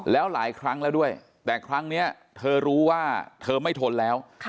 แล้วหลายครั้งแล้วด้วยแต่ครั้งนี้เธอรู้ว่าเธอไม่ทนแล้ว